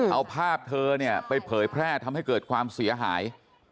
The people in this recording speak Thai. เอาภาพเธอเนี่ยไปเผยแพร่ทำให้เกิดความเสียหาย